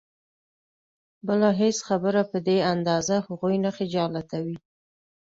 بله هېڅ خبره په دې اندازه هغوی نه خجالتوي.